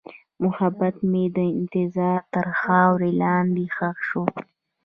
محبت مې د انتظار تر خاورې لاندې ښخ شو.